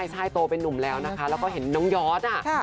ใช่โตเป็นนุ่มแล้วนะคะแล้วก็เห็นน้องยอด